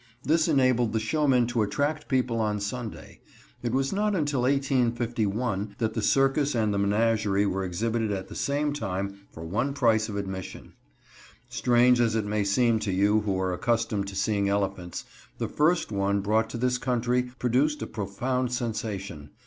This enabled the showmen to attract people on Sunday. It was not until 1851 that the circus and the menagerie were exhibited at the same time for one price of admission. Strange as it may seem to you who are accustomed to seeing elephants, the first one brought to this country produced a profound sensation.